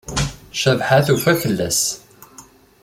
Cabḥa tufa fell-as.